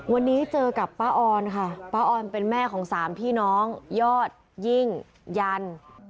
วันนี้เจอกับป้าออนค่ะป้าออนเป็นแม่ของสามพี่น้องยอดยิ่งยัน